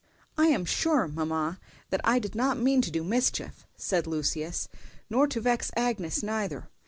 "I am sure, mamma, that I did not mean to do mischief," said Lucius, "nor to vex Agnes neither.